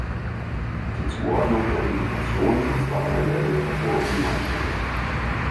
Die Zuordnung der Vegetation ist daher in der Literatur uneinheitlich.